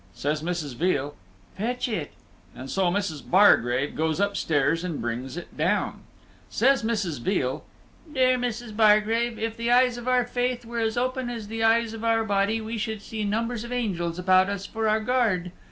Says Mrs. Veal, "Fetch it." And so Mrs. Bargrave goes up stairs and brings it down. Says Mrs. Veal, "Dear Mrs. Bargrave, if the eyes of our faith were as open as the eyes of our body, we should see numbers of angels about us for our guard.